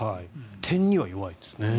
点には弱いんですね。